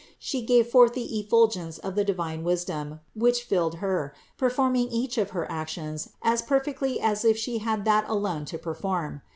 She gave forth the effulgence of the divine wisdom, which filled Her, performing each of her actions as perfectly as if She had that alone to per form.